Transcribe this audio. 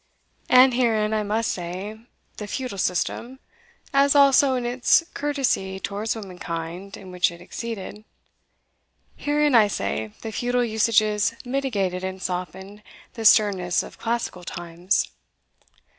And herein I must say, the feudal system (as also in its courtesy towards womankind, in which it exceeded) herein, I say, the feudal usages mitigated and softened the sternness of classical times.